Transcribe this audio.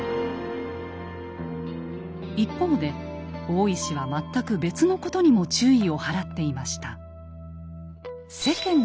一方で大石は全く別のことにも注意を払っていました。